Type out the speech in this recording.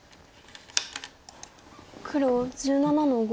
黒１７の五。